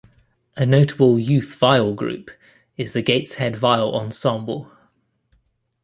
A notable youth viol group is the Gateshead Viol Ensemble.